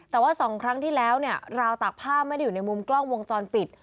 แต่ว่า๒ครั้งที่แล้วเนี่ยราวตากผ้าไม่ได้อยู่ในมุมกล้องวงจรปิด